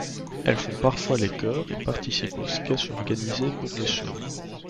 Elles font parfois les chœurs et participent aux sketchs organisés pour les shows.